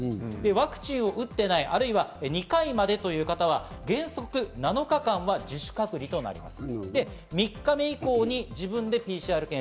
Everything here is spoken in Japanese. ワクチンを打っていない、あるいは２回までという方は原則７日間は自主隔離となります。